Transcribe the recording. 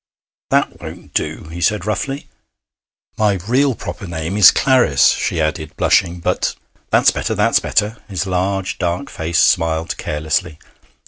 'That won't do,' he said roughly. 'My real proper name is Clarice,' she added, blushing. 'But ' 'That's better, that's better.' His large, dark face smiled carelessly.